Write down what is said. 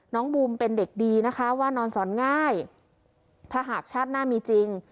บูมเป็นเด็กดีนะคะว่านอนสอนง่ายถ้าหากชาติหน้ามีจริง